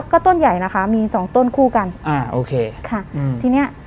ก็ต้นใหญ่นะคะมีสองต้นคู่กันอ่าโอเคค่ะอืมทีเนี้ย